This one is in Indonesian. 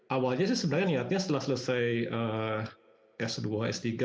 awalnya sih sebenarnya niatnya setelah selesai s dua s tiga